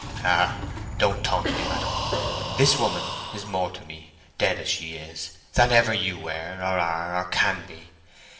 "Ah! don't taunt me, madam. This woman is more to me, dead as she is, than ever you were, or are, or can be.